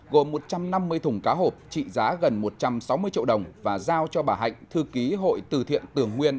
gồm một trăm năm mươi thùng cá hộp trị giá gần một trăm sáu mươi triệu đồng và giao cho bà hạnh thư ký hội từ thiện tường nguyên